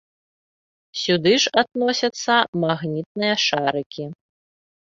Сюды ж адносяцца магнітныя шарыкі.